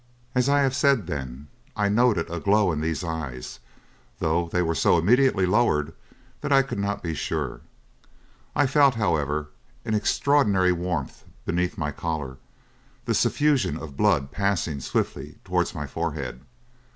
"As I have said, then, I noted a glow in these eyes, though they were so immediately lowered that I could not be sure. I felt, however, an extraordinary warmth beneath my collar, the suffusion of blood passing swiftly towards my forehead.